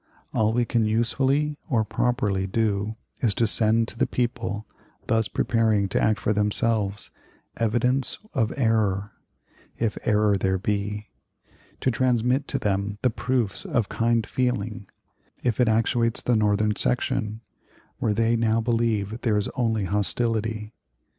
All we can usefully or properly do is to send to the people, thus preparing to act for themselves, evidence of error, if error there be; to transmit to them the proofs of kind feeling, if it actuates the Northern section, where they now believe there is only hostility.